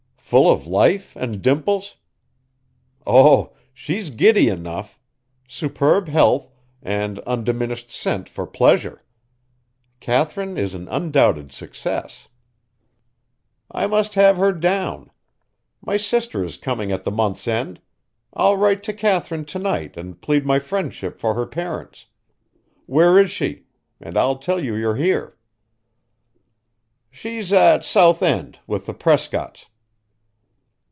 "Full of life and dimples?" "Oh! she's giddy enough. Superb health, and undiminished scent for pleasure! Katharine is an undoubted success." "I must have her down. My sister is coming at the month's end. I'll write to Katharine to night and plead my friendship for her parents. Where is she? And I'll tell her you're here." "She's at South End, with the Prescotts."